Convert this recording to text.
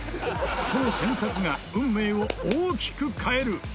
この選択が運命を大きく変える！